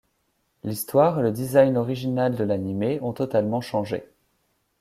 L'histoire et le design original de l'animé ont totalement changé.